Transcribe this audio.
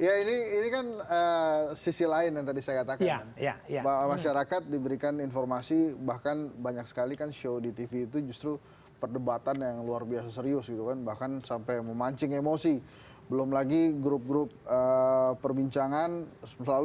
ya ini ini kan sisi lain yang tadi saya katakan bahwa masyarakat diberikan informasi bahkan banyak sekali kan show di tv itu justru perdebatan yang luar biasa serius gitu kan bahkan sampai memancing emosi belum lagi grup grup perbincangan selalu